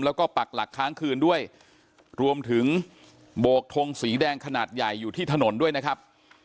แล้วก็ปักหลักค้างคืนด้วยรวมถึงโบกทงสีแดงขนาดใหญ่อยู่ที่ถนนด้วยนะครับ